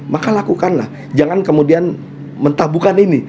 maka lakukanlah jangan kemudian mentah bukan ini